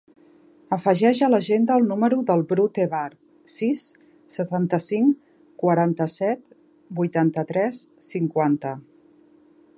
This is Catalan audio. Afegeix a l'agenda el número del Bru Tebar: sis, setanta-cinc, quaranta-set, vuitanta-tres, cinquanta.